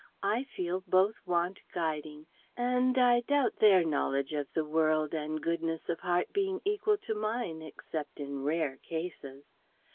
I feel both want guiding, and I doubt their knowledge of the world and goodness of heart being equal to mine, except in rare cases.